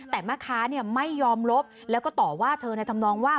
แต่แม่ค้าไม่ยอมลบแล้วก็ต่อว่าเธอในธรรมนองว่า